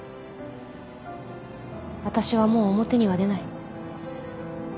私はもう表には出ない。